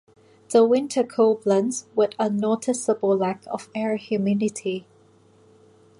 The winter cold blends with a noticeable lack of air humidity.